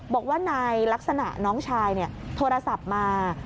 บอกว่านายลักษณะน้องชายโทรศัพท์มา